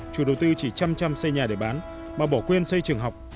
chủ đầu tư chỉ chăm chăm xây nhà để bán mà bỏ quên xây trường học